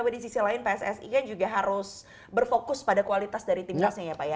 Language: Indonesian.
tapi di sisi lain pssi kan juga harus berfokus pada kualitas dari timnasnya ya pak ya